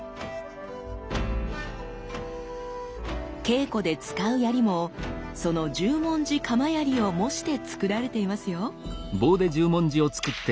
稽古で使う槍もその十文字鎌槍を模してつくられていますよ。